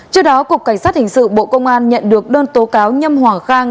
trước đó cục cảnh sát hình sự bộ công an nhận được đơn tố cáo nhâm hoàng khang